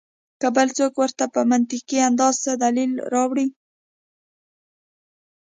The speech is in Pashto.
کۀ بل څوک ورته پۀ منطقي انداز څۀ دليل راوړي